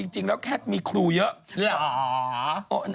จริงแล้วแค่มีครูเยอะ